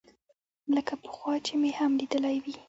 لکه پخوا چې مې هم ليدلى وي.